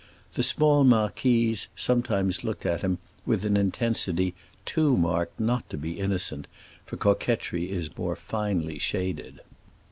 The small marquise sometimes looked at him with an intensity too marked not to be innocent, for coquetry is more finely shaded.